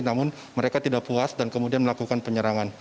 namun mereka tidak puas dan kemudian melakukan penyerangan